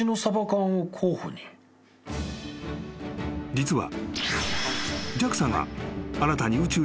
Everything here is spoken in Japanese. ［実は］